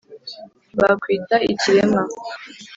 bakwita ikiremwa